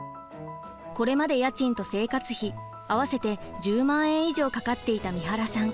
これまで家賃と生活費合わせて１０万円以上かかっていた三原さん。